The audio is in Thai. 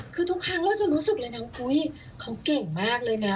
คือทุกครั้งเราจะรู้สึกเลยนะอุ๊ยเขาเก่งมากเลยนะ